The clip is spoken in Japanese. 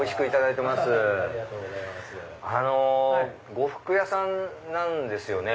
呉服屋さんなんですよね？